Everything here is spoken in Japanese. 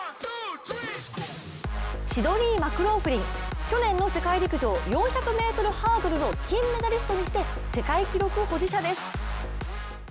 シドニー・マクローフリン去年の世界陸上４００ｍハードルの金メダリストにして世界記録保持者です。